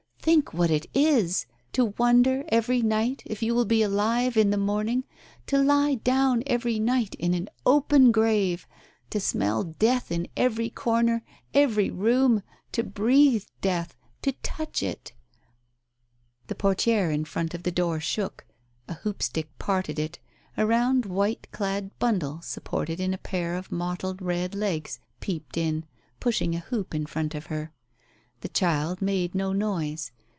Think what it is !— to wonder every night if you will be alive in the morning, to lie down every night in an open grave — to smell death in every corner — every room — to breathe death — to touch it. ..." The portiere in front of the door shook, a hoopstick parted it, a round white clad bundle supported on a pair of mottled red legs peeped in, pushing a hoop in front of her. The child made no noise.